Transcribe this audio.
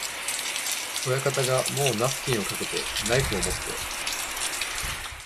親方がもうナフキンをかけて、ナイフをもって、